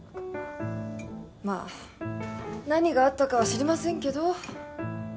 まあ何があったかは知りませんけど。